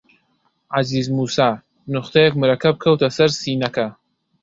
عەزیز مووسا نوختەیەک مەرەکەب کەوتە سەر سینەکە